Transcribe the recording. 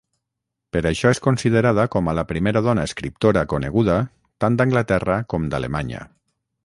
Per això és considerada com a la primera dona escriptora coneguda tant d'Anglaterra com d'Alemanya.